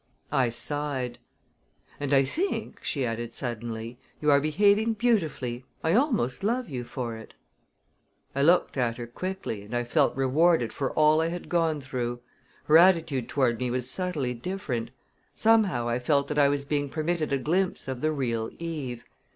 I sighed. "And I think," she added suddenly, "you are behaving beautifully I almost love you for it." I looked at her quickly and I felt rewarded for all I had gone through. Her attitude toward me was subtly different. Somehow I felt that I was being permitted a glimpse of the real Eve.